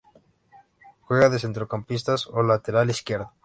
Juega de centrocampista o lateral izquierdo.